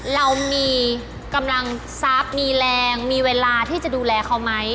เรามีกำลังทรัพย์มีแรงมีเวลาที่จะดูแลเขาไหม